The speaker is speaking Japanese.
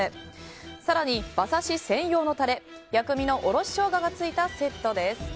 更に、馬刺し専用のタレ薬味のおろしショウガがついたセットです。